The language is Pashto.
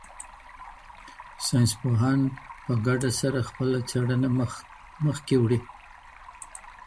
ساینس پوهان په ګډه سره خپله څېړنه مخکي وړي.